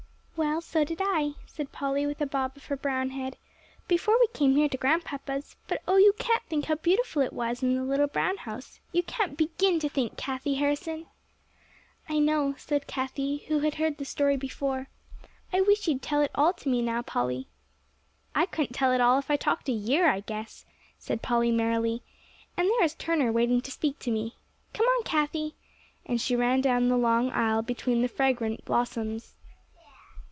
"Well, so did I," said Polly, with a bob of her brown head, "before we came here to Grandpapa's; but oh, you can't think how beautiful it was in the little brown house you can't begin to think, Cathie Harrison!" "I know," said Cathie, who had heard the story before. "I wish you'd tell it all to me now, Polly." "I couldn't tell it all, if I talked a year, I guess," said Polly merrily, "and there is Turner waiting to speak to me. Come on, Cathie." And she ran down the long aisle between the fragrant blossoms.